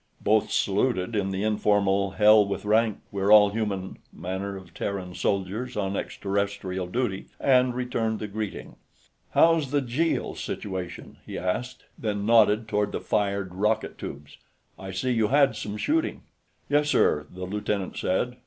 Both saluted, in the informal, hell with rank we're all human manner of Terran soldiers on extraterrestrial duty, and returned the greeting. "How's the Jeel situation?" he asked, then nodded toward the fired rocket tubes. "I see you had some shooting." "Yes, sir," the lieutenant said.